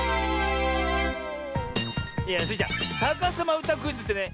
スイちゃん「さかさまうたクイズ」ってね